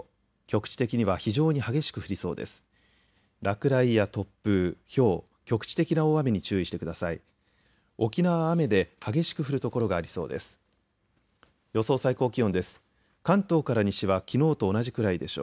局地的には非常に激しく降りそうです。